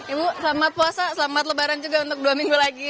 ibu selamat puasa selamat lebaran juga untuk dua minggu lagi